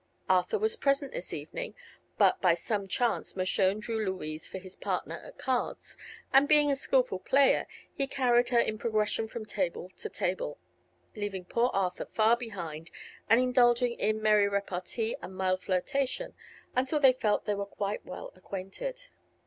Arthur was present this evening, but by some chance Mershone drew Louise for his partner at cards, and being a skillful player he carried her in progression from table to table, leaving poor Arthur far behind and indulging in merry repartee and mild flirtation until they felt they were quite well acquainted.